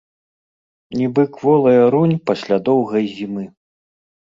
Нібы кволая рунь пасля доўгай зімы.